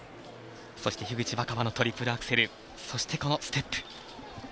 そして樋口新葉のトリプルアクセルそして、このステップ。